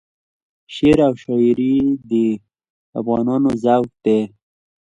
شعر او شایري د افغانانو ذوق دی.